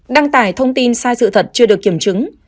đăng tải thông tin sai sự thật chưa được kiểm chứng